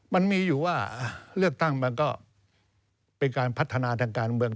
มันมีอยู่ว่าเลือกตั้งมันก็เป็นการพัฒนาทางการเมือง